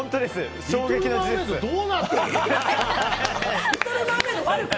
リトルマーメイドどうなってるの？